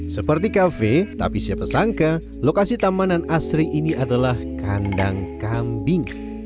seperti kafe tapi siapa sangka lokasi tamanan asri ini adalah kandang kambing